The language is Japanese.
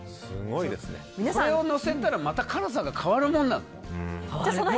これを乗せたらまた辛さが変わるものなの？